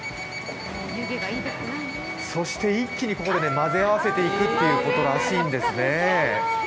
そして一気にここで混ぜ合わせていくということらしいんですね。